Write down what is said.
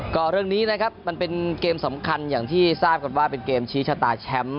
ก็เรื่องนี้นะครับมันเป็นเกมสำคัญอย่างที่ทราบกันว่าเป็นเกมชี้ชะตาแชมป์